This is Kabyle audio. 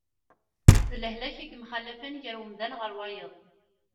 D lehlak i yemxallafen gar umdan ɣer wayeḍ.